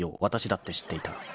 わたしだって知っていた］